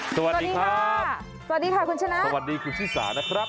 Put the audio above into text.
สวัสดีครับสวัสดีค่ะคุณชนะสวัสดีคุณชิสานะครับ